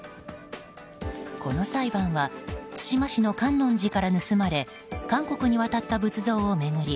この裁判は対馬市の観音寺から盗まれ韓国に渡った仏像を巡り